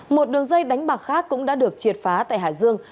một đường dây đánh bạc khác cũng đã được triệt phá tại hải dương